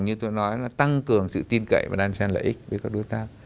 như tôi nói là tăng cường sự tin cậy và đàn sen lợi ích với các đối tác